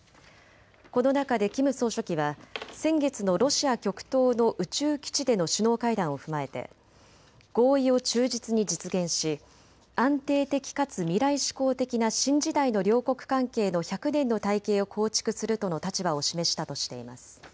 この中でキム総書記は先月のロシア極東の宇宙基地での首脳会談を踏まえて合意を忠実に実現し安定的かつ未来志向的な新時代の両国関係の百年の大計を構築するとの立場を示したとしています。